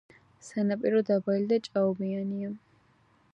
სანაპირო დაბალი და ჭაობიანია.